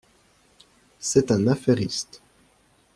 C’est un affairiste.